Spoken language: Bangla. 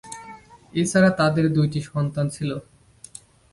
এছাড়া তাদের দুইটি সন্তান ছিলো।